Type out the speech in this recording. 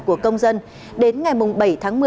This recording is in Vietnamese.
của công dân đến ngày bảy tháng một mươi